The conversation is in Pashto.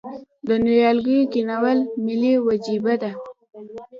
د نیالګیو کینول ملي وجیبه ده؟